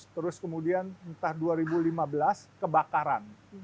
terus kemudian entah dua ribu lima belas kebakaran